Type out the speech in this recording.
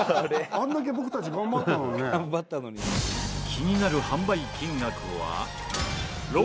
気になる販売金額は。